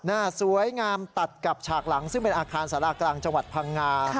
หน้าสวยงามตัดกับฉากหลังซึ่งเป็นอาคารสารากลางจังหวัดพังงา